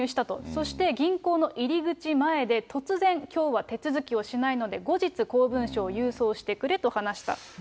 そして銀行の入り口前で突然、きょうは手続きをしないので、後日、公文書を郵送してくれと話した。